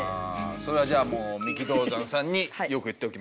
それはじゃあ三木道三さんによく言っておきます。